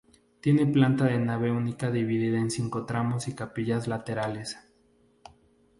Tiene planta de nave única dividida en cinco tramos y capillas laterales.